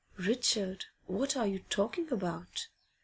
'Richard, what are you talking about?